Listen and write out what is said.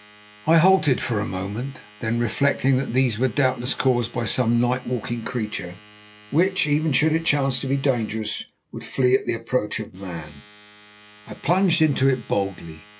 I halted for a moment. Then, reflecting that these were doubtless caused by some night walking creature, which, even should it chance to be dangerous, would flee at the approach of man, I plunged into it boldly.